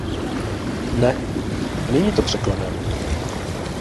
Ne, není to překladem.